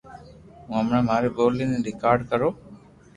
ھو ھمڙي ماري ڀولي ني ريڪارڌ ڪرو